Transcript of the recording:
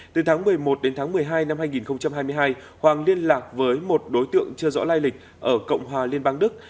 từ tháng một mươi một đến tháng một mươi hai năm hai nghìn hai mươi hai hoàng liên lạc với một đối tượng chưa rõ lai lịch ở cộng hòa liên bang đức